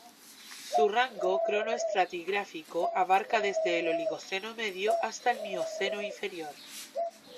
Su rango cronoestratigráfico abarca desde el Oligoceno medio hasta el Mioceno inferior.